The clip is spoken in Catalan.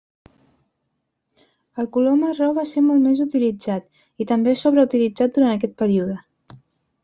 El color marró va ser molt més utilitzat, i també sobre utilitzat durant aquest període.